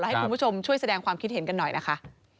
ให้คุณผู้ชมช่วยแสดงความคิดเห็นกันหน่อยนะคะ